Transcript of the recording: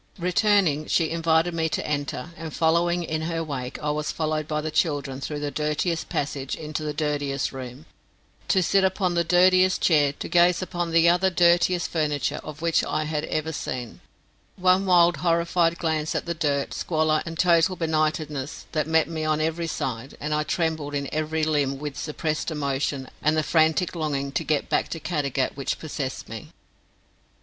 Returning, she invited me to enter, and following in her wake, I was followed by the children through the dirtiest passage into the dirtiest room, to sit upon the dirtiest chair, to gaze upon the other dirtiest furniture of which I have ever heard. One wild horrified glance at the dirt, squalor, and total benightedness that met me on every side, and I trembled in every limb with suppressed emotion and the frantic longing to get back to Caddagat which possessed me.